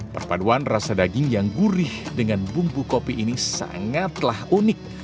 perpaduan rasa daging yang gurih dengan bumbu kopi ini sangatlah unik